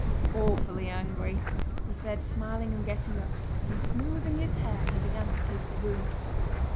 "Awfully angry!" he said, smiling and getting up. And smoothing his hair he began to pace the room.